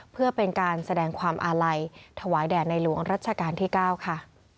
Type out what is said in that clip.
เพื่อเป็นการแสดงความอาลัยถวายแด่ในหลวงรัชกาลที่๙ค่ะ